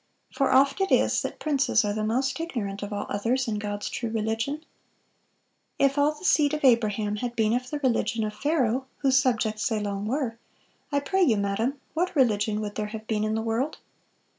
For oft it is that princes are the most ignorant of all others in God's true religion.... If all the seed of Abraham had been of the religion of Pharaoh, whose subjects they long were, I pray you, madam, what religion would there have been in the world?